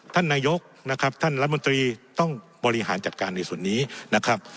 ท่านนายกนะครับท่านรัฐมนตรีต้องบริหารจัดการในส่วนนี้นะครับ